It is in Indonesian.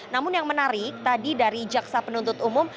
namun yang menarik tadi dari jaksa penuntut umum